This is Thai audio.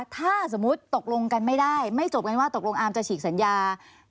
ถ้าสมมติไม่จบว่าตกลงอาร์มจะฉีกสัญญา